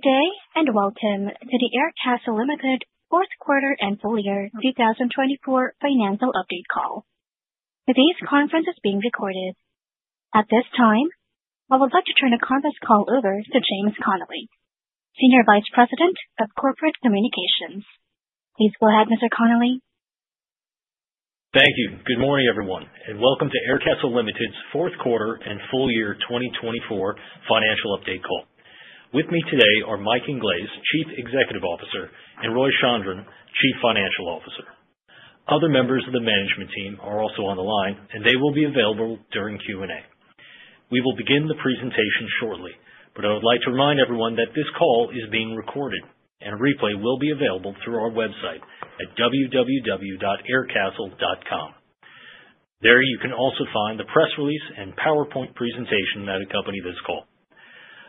Today, and welcome to the Aircastle Limited Fourth Quarter and Full Year 2024 Financial Update Call. Today's conference is being recorded. At this time, I would like to turn the conference call over to James Connelly, Senior Vice President of Corporate Communications. Please go ahead, Mr. Connelly. Thank you. Good morning, everyone, and welcome to Aircastle Limited's Fourth Quarter and Full Year 2024 Financial Update Call. With me today are Mike Inglese, Chief Executive Officer, and Roy Chandran, Chief Financial Officer. Other members of the management team are also on the line, and they will be available during Q&A. We will begin the presentation shortly, but I would like to remind everyone that this call is being recorded, and a replay will be available through our website at www.aircastle.com. There you can also find the press release and PowerPoint presentation that accompany this call.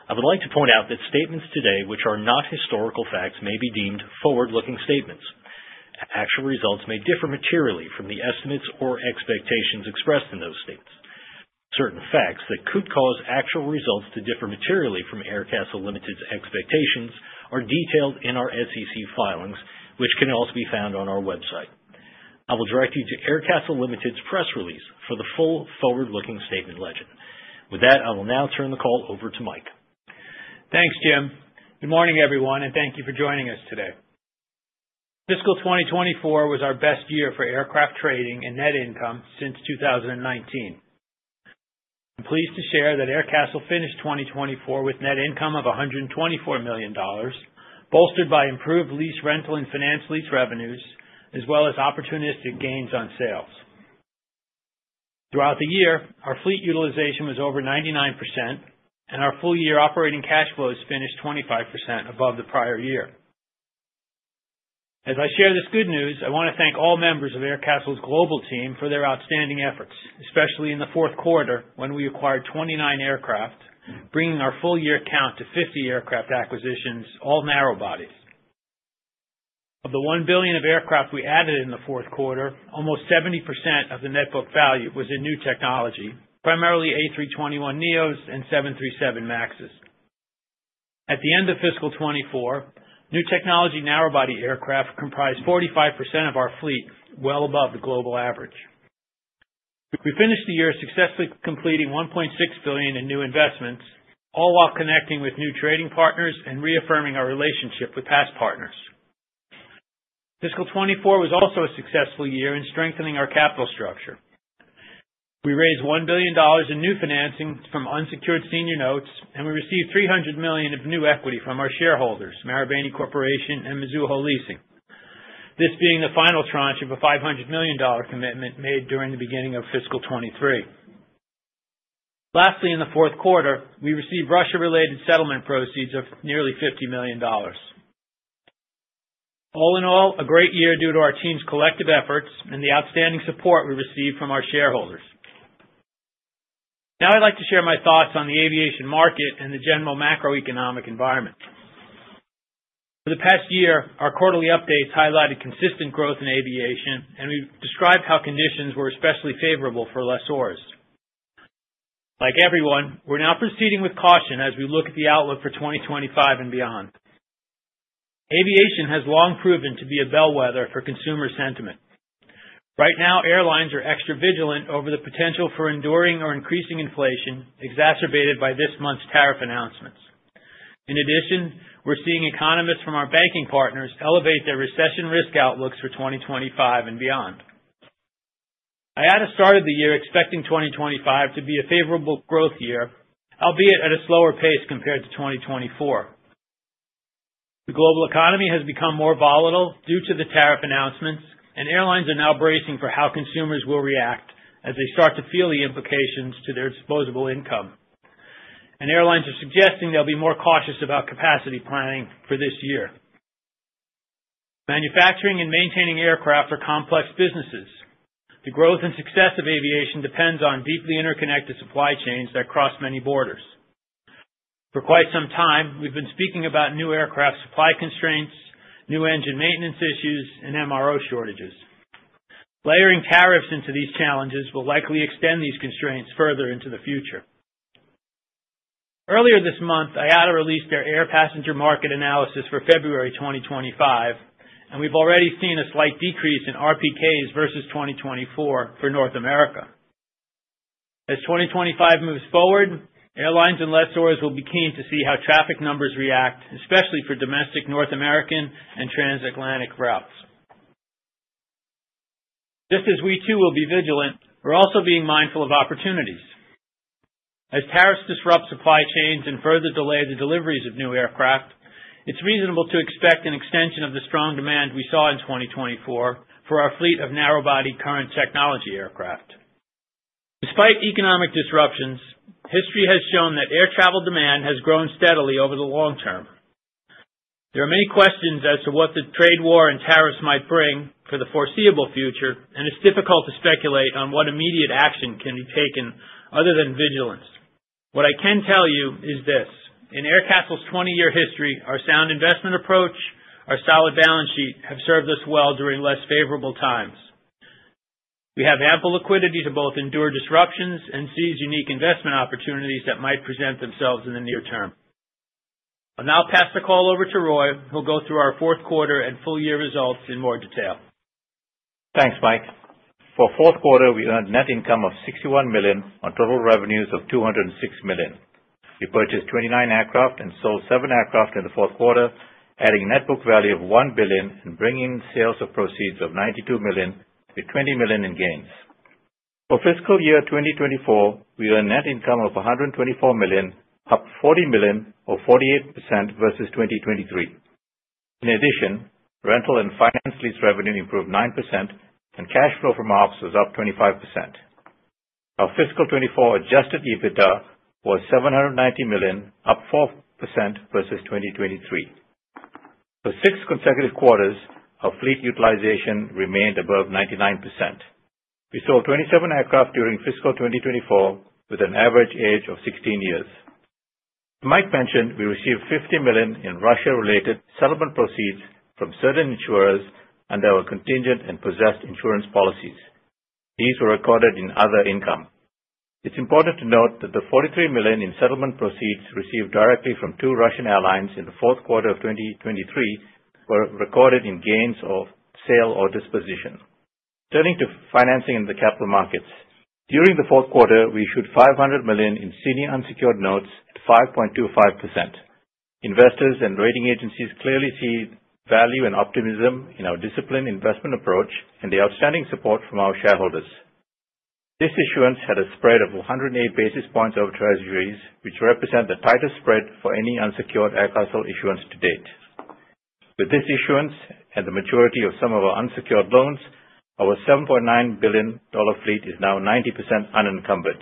I would like to point out that statements today, which are not historical facts, may be deemed forward-looking statements. Actual results may differ materially from the estimates or expectations expressed in those statements. Certain facts that could cause actual results to differ materially from Aircastle Limited's expectations are detailed in our SEC filings, which can also be found on our website. I will direct you to Aircastle Limited's press release for the full forward-looking statement legend. With that, I will now turn the call over to Mike. Thanks, Jim. Good morning, everyone, and thank you for joining us today. Fiscal 2024 was our best year for aircraft trading and net income since 2019. I'm pleased to share that Aircastle finished 2024 with net income of $124 million, bolstered by improved lease rental and finance lease revenues, as well as opportunistic gains on sales. Throughout the year, our fleet utilization was over 99%, and our full-year operating cash flows finished 25% above the prior year. As I share this good news, I want to thank all members of Aircastle's global team for their outstanding efforts, especially in the fourth quarter when we acquired 29 aircraft, bringing our full-year count to 50 aircraft acquisitions, all narrowbodies. Of the $1 billion of aircraft we added in the fourth quarter, almost 70% of the net book value was in new technology, primarily A321neos and 737 MAXes. At the end of fiscal 2024, new technology narrowbody aircraft comprised 45% of our fleet, well above the global average. We finished the year successfully completing $1.6 billion in new investments, all while connecting with new trading partners and reaffirming our relationship with past partners. Fiscal 2024 was also a successful year in strengthening our capital structure. We raised $1 billion in new financing from senior unsecured notes, and we received $300 million of new equity from our shareholders, Marubeni Corporation and Mizuho Leasing. This being the final tranche of a $500 million commitment made during the beginning of fiscal 2023. Lastly, in the fourth quarter, we received Russia-related settlement proceeds of nearly $50 million. All in all, a great year due to our team's collective efforts and the outstanding support we received from our shareholders. Now I'd like to share my thoughts on the aviation market and the general macroeconomic environment. For the past year, our quarterly updates highlighted consistent growth in aviation, and we've described how conditions were especially favorable for lessors. Like everyone, we're now proceeding with caution as we look at the outlook for 2025 and beyond. Aviation has long proven to be a bellwether for consumer sentiment. Right now, airlines are extra vigilant over the potential for enduring or increasing inflation exacerbated by this month's tariff announcements. In addition, we're seeing economists from our banking partners elevate their recession risk outlooks for 2025 and beyond. I had started the year expecting 2025 to be a favorable growth year, albeit at a slower pace compared to 2024. The global economy has become more volatile due to the tariff announcements, and airlines are now bracing for how consumers will react as they start to feel the implications to their disposable income. Airlines are suggesting they'll be more cautious about capacity planning for this year. Manufacturing and maintaining aircraft are complex businesses. The growth and success of aviation depends on deeply interconnected supply chains that cross many borders. For quite some time, we've been speaking about new aircraft supply constraints, new engine maintenance issues, and MRO shortages. Layering tariffs into these challenges will likely extend these constraints further into the future. Earlier this month, IATA released their air passenger market analysis for February 2025, and we've already seen a slight decrease in RPKs versus 2024 for North America. As 2025 moves forward, airlines and lessors will be keen to see how traffic numbers react, especially for domestic North American and transatlantic routes. Just as we too will be vigilant, we're also being mindful of opportunities. As tariffs disrupt supply chains and further delay the deliveries of new aircraft, it's reasonable to expect an extension of the strong demand we saw in 2024 for our fleet of narrowbody current technology aircraft. Despite economic disruptions, history has shown that air travel demand has grown steadily over the long term. There are many questions as to what the trade war and tariffs might bring for the foreseeable future, and it's difficult to speculate on what immediate action can be taken other than vigilance. What I can tell you is this: in Aircastle's 20-year history, our sound investment approach, our solid balance sheet have served us well during less favorable times. We have ample liquidity to both endure disruptions and seize unique investment opportunities that might present themselves in the near term. I'll now pass the call over to Roy, who'll go through our fourth quarter and full-year results in more detail. Thanks, Mike. For fourth quarter, we earned net income of $61 million on total revenues of $206 million. We purchased 29 aircraft and sold 7 aircraft in the fourth quarter, adding a net book value of $1 billion and bringing in sales proceeds of $92 million, with $20 million in gains. For fiscal year 2024, we earned net income of $124 million, up $40 million, or 48% versus 2023. In addition, rental and finance lease revenue improved 9%, and cash flow from our offices up 25%. Our fiscal 2024 adjusted EBITDA was $790 million, up 4% versus 2023. For six consecutive quarters, our fleet utilization remained above 99%. We sold 27 aircraft during fiscal 2024, with an average age of 16 years. Mike mentioned we received $50 million in Russia-related settlement proceeds from certain insurers under our contingent and possessed insurance policies. These were recorded in other income. It's important to note that the $43 million in settlement proceeds received directly from two Russian airlines in the fourth quarter of 2023 were recorded in gains of sale or disposition. Turning to financing in the capital markets, during the fourth quarter, we issued $500 million in senior unsecured notes at 5.25%. Investors and rating agencies clearly see value and optimism in our disciplined investment approach and the outstanding support from our shareholders. This issuance had a spread of 108 basis points over treasuries, which represents the tightest spread for any unsecured Aircastle issuance to date. With this issuance and the maturity of some of our unsecured loans, our $7.9 billion fleet is now 90% unencumbered.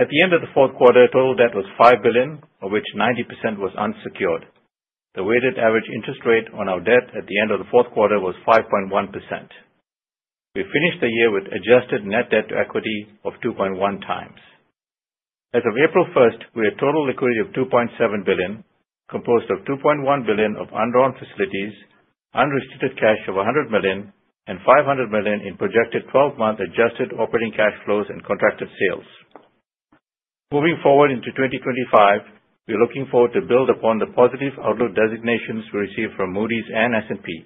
At the end of the fourth quarter, total debt was $5 billion, of which 90% was unsecured. The weighted average interest rate on our debt at the end of the fourth quarter was 5.1%. We finished the year with adjusted net debt to equity of 2.1 times. As of April 1, we had total liquidity of $2.7 billion, composed of $2.1 billion of undrawn facilities, unrestricted cash of $100 million, and $500 million in projected 12-month adjusted operating cash flows and contracted sales. Moving forward into 2025, we're looking forward to build upon the positive outlook designations we received from Moody's and S&P.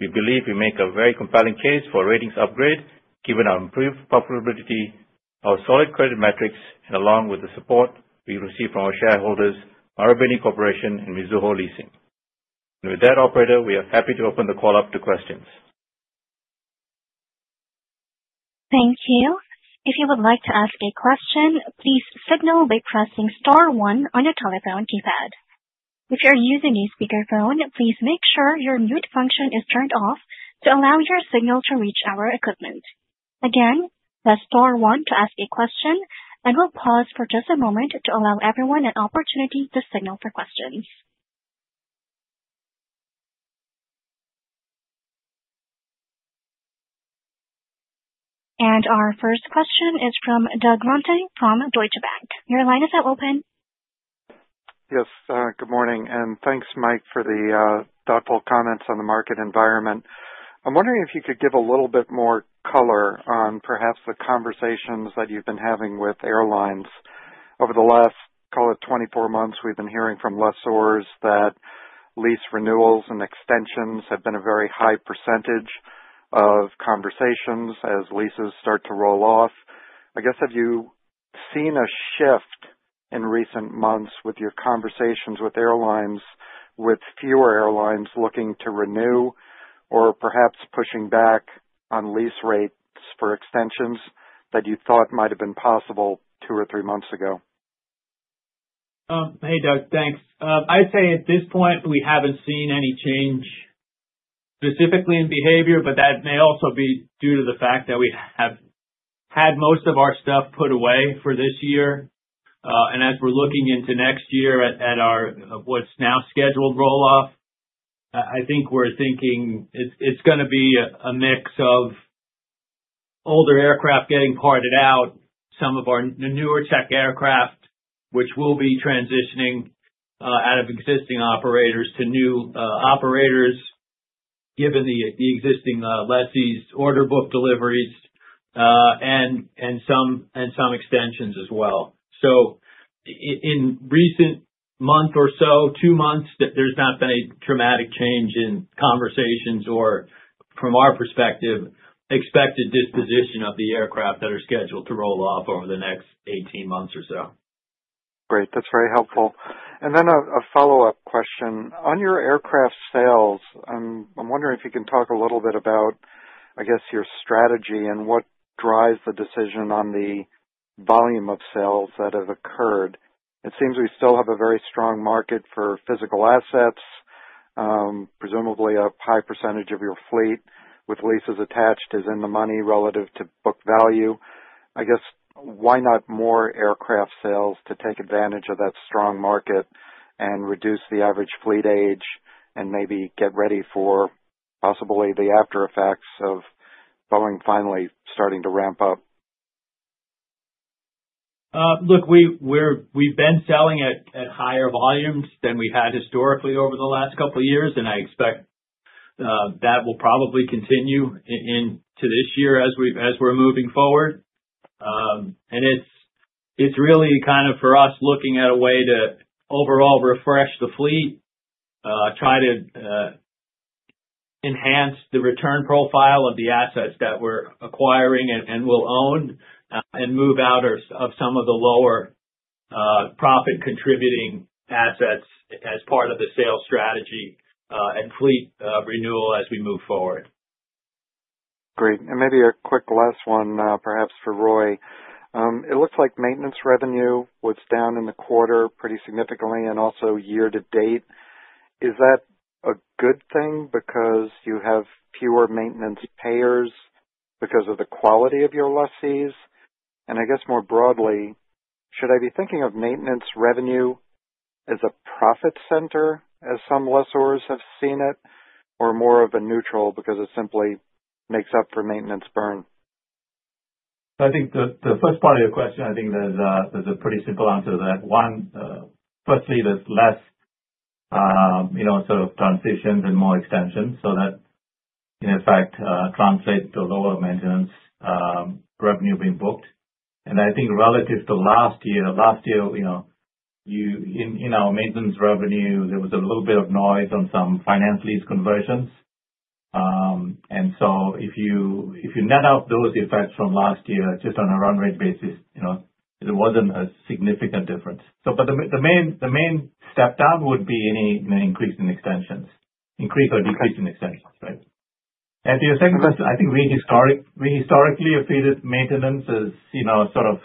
We believe we make a very compelling case for a ratings upgrade, given our improved profitability, our solid credit metrics, and along with the support we received from our shareholders, Marubeni Corporation and Mizuho Leasing. With that, operator, we are happy to open the call up to questions. Thank you. If you would like to ask a question, please signal by pressing Star 1 on your telephone keypad. If you're using a speakerphone, please make sure your mute function is turned off to allow your signal to reach our equipment. Again, press Star 1 to ask a question. We'll pause for just a moment to allow everyone an opportunity to signal for questions. Our first question is from Doug Runte from Deutsche Bank. Your line is now open. Yes, good morning, and thanks, Mike, for the thoughtful comments on the market environment. I'm wondering if you could give a little bit more color on perhaps the conversations that you've been having with airlines. Over the last, call it, 24 months, we've been hearing from lessors that lease renewals and extensions have been a very high percentage of conversations as leases start to roll off. I guess, have you seen a shift in recent months with your conversations with airlines, with fewer airlines looking to renew or perhaps pushing back on lease rates for extensions that you thought might have been possible two or three months ago? Hey, Doug, thanks. I'd say at this point, we haven't seen any change specifically in behavior, but that may also be due to the fact that we have had most of our stuff put away for this year. As we're looking into next year at our what's now scheduled roll-off, I think we're thinking it's going to be a mix of older aircraft getting parted out, some of our newer tech aircraft, which we'll be transitioning out of existing operators to new operators, given the existing lessees order book deliveries and some extensions as well. In recent months or so, two months, there's not been a dramatic change in conversations or, from our perspective, expected disposition of the aircraft that are scheduled to roll off over the next 18 months or so. Great. That's very helpful. Then a follow-up question. On your aircraft sales, I'm wondering if you can talk a little bit about, I guess, your strategy and what drives the decision on the volume of sales that have occurred. It seems we still have a very strong market for physical assets. Presumably, a high percentage of your fleet, with leases attached, is in the money relative to book value. I guess, why not more aircraft sales to take advantage of that strong market and reduce the average fleet age and maybe get ready for possibly the aftereffects of Boeing finally starting to ramp up? Look, we've been selling at higher volumes than we had historically over the last couple of years, and I expect that will probably continue into this year as we're moving forward. It is really kind of for us looking at a way to overall refresh the fleet, try to enhance the return profile of the assets that we're acquiring and will own, and move out of some of the lower profit-contributing assets as part of the sales strategy and fleet renewal as we move forward. Great. Maybe a quick last one, perhaps for Roy. It looks like maintenance revenue was down in the quarter pretty significantly and also year to date. Is that a good thing because you have fewer maintenance payers because of the quality of your lessees? I guess more broadly, should I be thinking of maintenance revenue as a profit center as some lessors have seen it, or more of a neutral because it simply makes up for maintenance burn? I think the first part of your question, I think there's a pretty simple answer to that. One, firstly, there's less sort of transitions and more extensions, so that in effect translates to lower maintenance revenue being booked. I think relative to last year, last year, in our maintenance revenue, there was a little bit of noise on some finance lease conversions. If you net out those effects from last year just on a run rate basis, there wasn't a significant difference. The main step down would be any increase in extensions, increase or decrease in extensions, right? To your second question, I think we historically have treated maintenance as sort of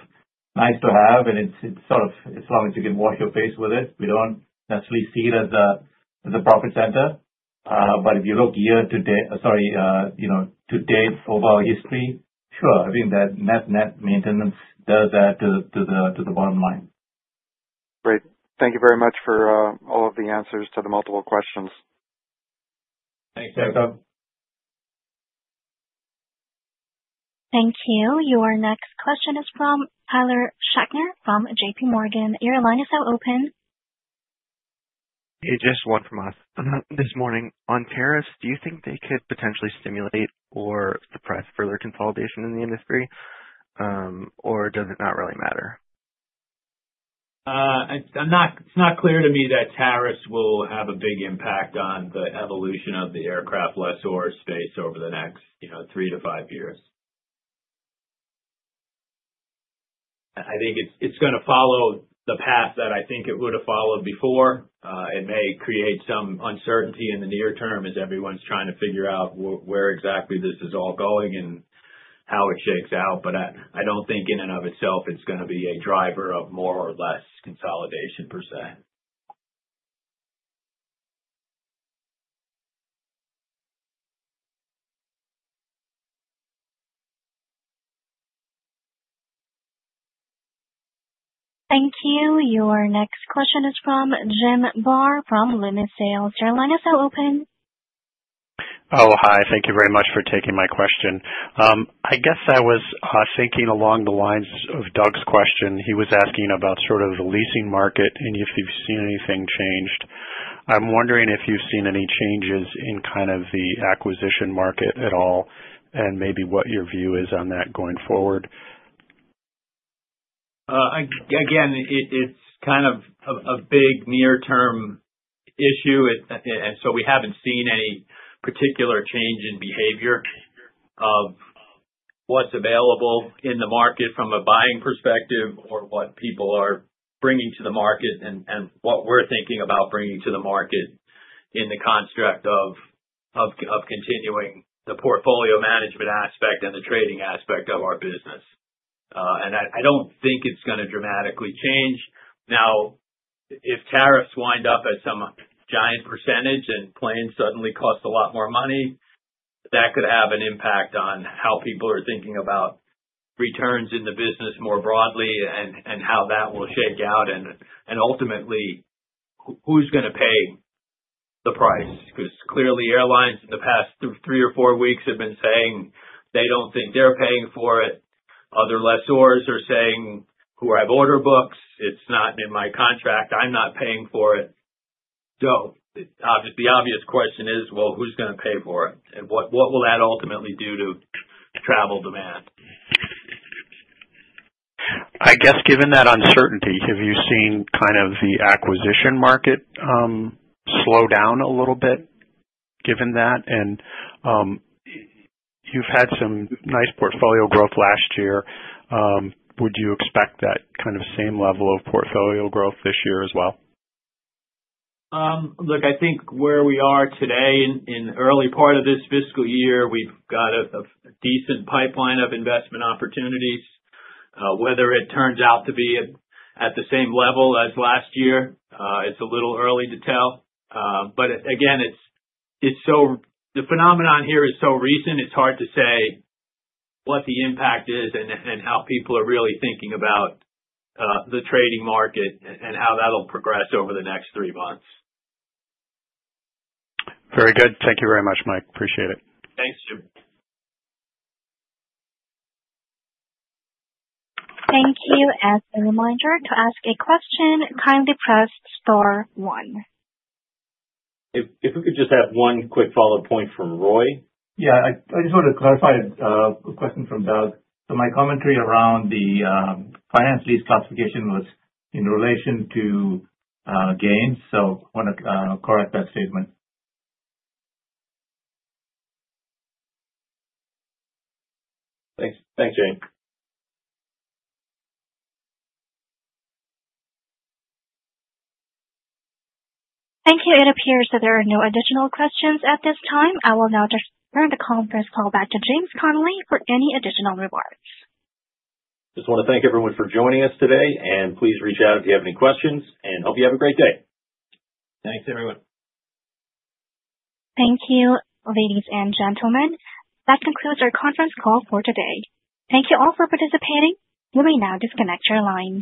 nice to have, and it's sort of as long as you can wash your face with it, we don't necessarily see it as a profit center. If you look year to date over our history, sure, I think that net maintenance does add to the bottom line. Great. Thank you very much for all of the answers to the multiple questions. Thanks, Doug. Thank you. Your next question is from Tyler Schachner from JPMorgan. Your line is now open. Hey, just one from us. This morning, on tariffs, do you think they could potentially stimulate or suppress further consolidation in the industry, or does it not really matter? It's not clear to me that tariffs will have a big impact on the evolution of the aircraft lessor space over the next three to five years. I think it's going to follow the path that I think it would have followed before. It may create some uncertainty in the near term as everyone's trying to figure out where exactly this is all going and how it shakes out. I don't think in and of itself it's going to be a driver of more or less consolidation per se. Thank you. Your next question is from Jim Barr from BowFlex Inc. Your line is now open. Oh, hi. Thank you very much for taking my question. I guess I was thinking along the lines of Doug's question. He was asking about sort of the leasing market and if you've seen anything changed. I'm wondering if you've seen any changes in kind of the acquisition market at all and maybe what your view is on that going forward. Again, it's kind of a big near-term issue, and we haven't seen any particular change in behavior of what's available in the market from a buying perspective or what people are bringing to the market and what we're thinking about bringing to the market in the construct of continuing the portfolio management aspect and the trading aspect of our business. I don't think it's going to dramatically change. Now, if tariffs wind up at some giant percentage and planes suddenly cost a lot more money, that could have an impact on how people are thinking about returns in the business more broadly and how that will shake out. Ultimately, who's going to pay the price? Because clearly, airlines in the past three or four weeks have been saying they don't think they're paying for it. Other lessors are saying, "Who I have order books. It's not in my contract. I'm not paying for it." The obvious question is, well, who's going to pay for it? And what will that ultimately do to travel demand? I guess given that uncertainty, have you seen kind of the acquisition market slow down a little bit given that? You've had some nice portfolio growth last year. Would you expect that kind of same level of portfolio growth this year as well? Look, I think where we are today in the early part of this fiscal year, we've got a decent pipeline of investment opportunities. Whether it turns out to be at the same level as last year, it's a little early to tell. Again, the phenomenon here is so recent, it's hard to say what the impact is and how people are really thinking about the trading market and how that'll progress over the next three months. Very good. Thank you very much, Mike. Appreciate it. Thanks, Jim. Thank you. As a reminder to ask a question, kindly press Star 1. If we could just have one quick follow-up point from Roy. Yeah, I just wanted to clarify a question from Doug. My commentary around the finance lease classification was in relation to gains, so I want to correct that statement. Thanks, Roy. Thank you. It appears that there are no additional questions at this time. I will now turn the conference call back to James Connelly for any additional remarks. Just want to thank everyone for joining us today, and please reach out if you have any questions, and hope you have a great day. Thanks, everyone. Thank you, ladies and gentlemen. That concludes our conference call for today. Thank you all for participating. You may now disconnect your line.